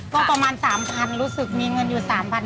ก็ประมาณ๓๐๐รู้สึกมีเงินอยู่๓๐๐บาท